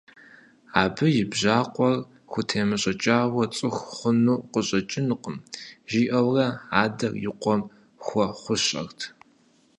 Абы и бжьакъуэр хутемыщӀыкӀауэ цӀыху хъуну къыщӀэкӀынукъым, – жиӀэурэ адэр и къуэм хуэхъущӀэрт.